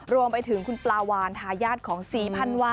รวมไปถึงคุณปลาวานทายาทของศรีพันวา